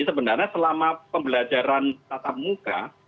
sebenarnya selama pembelajaran tatap muka